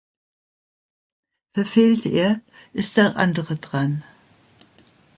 Verfehlt er, ist der andere dran.